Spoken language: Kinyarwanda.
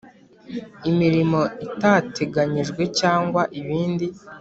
Imirimo itateganyijwe cyangwa ibindi